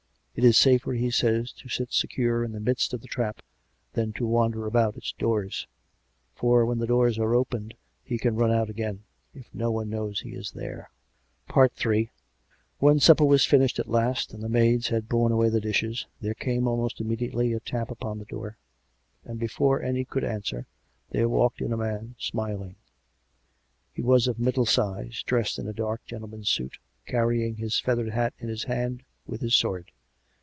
It is safer, he says, to sit secure in the midst of the trap, than to wander about its doors; for when the doors are opened he can run out again, if no one knows he is there. ..." Ill When supper was finished at last, and the maids had borne away the dishes, there came almost immediately a tap upon the door; and before any could answer, there walked in a man, smiling. He was of middle size, dressed in a dark, gentleman's suit, carrying his feathered hat in his hand, with his sword.